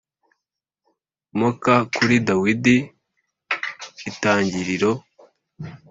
moka kuri Dawidi Itangiriro